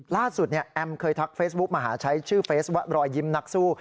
ล่าสุดแอมเคยทักเฟซบุ๊คมาหาใช้ชื่อเฟซรอยยิมนักสู้